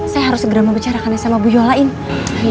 saya harus segera membicarakannya sama bu yola ini